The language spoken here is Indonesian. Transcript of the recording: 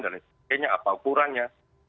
dan lain sebagainya apa ukurannya